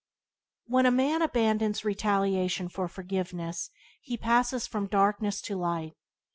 When a man abandons retaliation for forgiveness he passes from darkness to light.